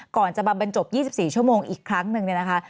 ก่อนจะมาบรรจบ๒๔ชั่วโมงอีกครั้งหนึ่งเนี่ยนะคะ